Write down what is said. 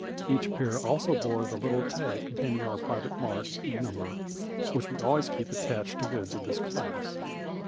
Each pair also bore the little tag containing our private mark and number, which we always keep attached to goods of this class.